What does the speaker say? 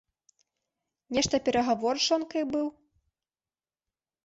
Нешта перагавор з жонкаю быў?